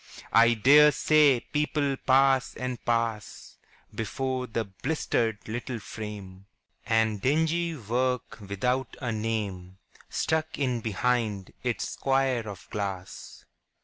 I dare say people pass and pass Before the blistered little frame, And dingy work without a name Stuck in behind its square of glass.